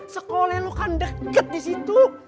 sekolah lo kan deket di situ